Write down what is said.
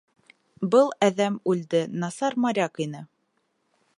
Был әҙәм үлде, насар моряк ине...